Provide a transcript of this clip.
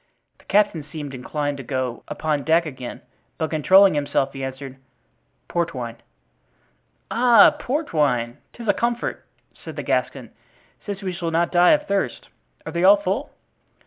The captain seemed inclined to go upon deck again, but controlling himself he answered: "Port wine." "Ah! port wine! 'tis a comfort," said the Gascon, "since we shall not die of thirst. Are they all full?"